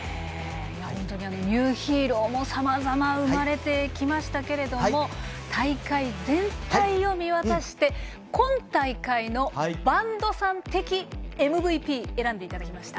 本当にニューヒーローもさまざま生まれてきましたけれど大会全体を見渡して今大会の播戸さん的ＭＶＰ選んでいただきました。